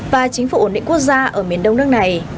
và chính phủ ổn định quốc gia ở miền đông nước này